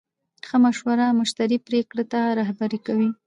ښه مشوره مشتری پرېکړې ته رهبري کوي.